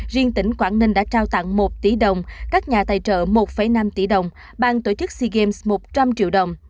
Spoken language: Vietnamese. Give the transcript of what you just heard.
riêng tỉnh quảng ninh đã trao tặng một tỷ đồng các nhà tài trợ một năm tỷ đồng ban tổ chức sea games một trăm linh triệu đồng